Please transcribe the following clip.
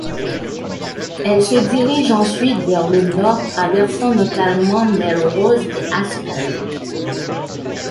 Elle se dirige ensuite vers le nord traversant notamment Melrose et Aspen.